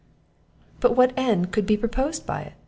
"But what end could be proposed by it?"